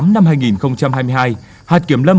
năm hai nghìn hai mươi hai hạt kiểm lâm